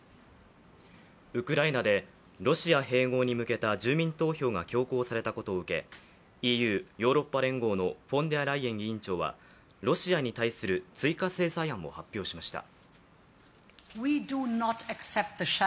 ウクライナでロシア併合に向けた住民投票が強行されたことを受けＥＵ＝ヨーロッパ連合のフォンデアライエン委員長はロシアに対する追加制裁案を発表しました。